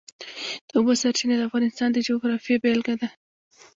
د اوبو سرچینې د افغانستان د جغرافیې بېلګه ده.